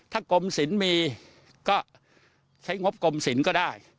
ถ้ากรมสินมีก็ใช้งบกรมสินก็ได้